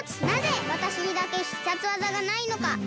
なぜわたしにだけ必殺技がないのか！